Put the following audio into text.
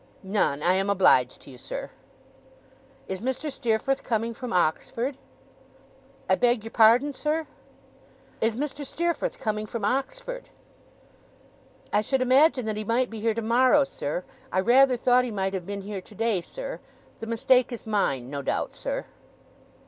'None, I am obliged to you, sir.' 'Is Mr. Steerforth coming from Oxford?' 'I beg your pardon, sir?' 'Is Mr. Steerforth coming from Oxford?' 'I should imagine that he might be here tomorrow, sir. I rather thought he might have been here today, sir. The mistake is mine, no doubt, sir.